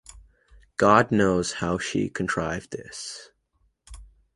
God knows how she contrived this.